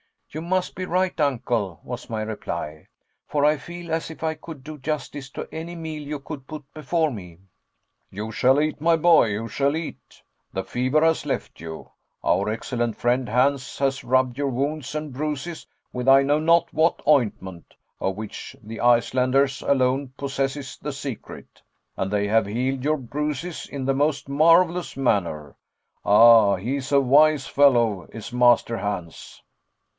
"You must be right, Uncle," was my reply, "for I feel as if I could do justice to any meal you could put before me." "You shall eat, my boy, you shall eat. The fever has left you. Our excellent friend Hans has rubbed your wounds and bruises with I know not what ointment, of which the Icelanders alone possess the secret. And they have healed your bruises in the most marvelous manner. Ah, he's a wise fellow is Master Hans."